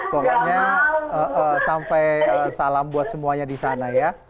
pokoknya sampai salam buat semuanya di sana ya